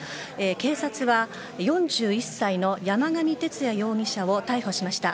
警察は４１歳の山上徹也容疑者を逮捕しました。